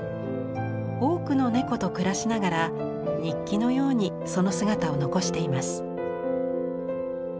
多くの猫と暮らしながら日記のようにその姿を残しています。